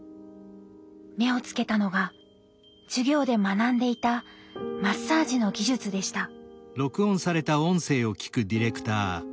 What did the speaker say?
目をつけたのが授業で学んでいたマッサージの技術でした。